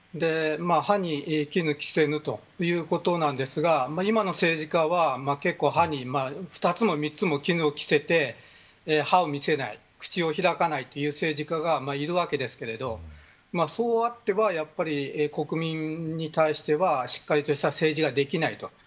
歯に衣着せぬということなんですが今の政治家は、結構歯に２つも３つも衣を着せて歯を見せない、口を開かないという政治家がいるわけですけどそうあってはやっぱり国民に対してはしっかりとした政治ができない。